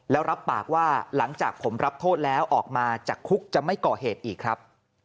แล้วรับปากว่าหลังจากผมรับโทษแล้วออกมาจากคุกจะไม่ก่อเหตุอีกครับ